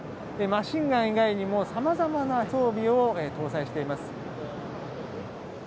マシンガン以外にも様々な装備を搭載しています。